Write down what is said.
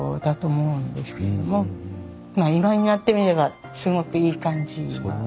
まあ今になってみればすごくいい感じ。